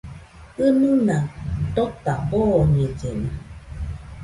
Jɨnuina tota boñellena.